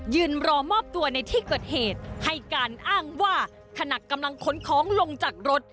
ยืนรอมอบตัวในที่เกิดเหตุให้การอ้างว่าขณะกำลังขนของลงจากรถ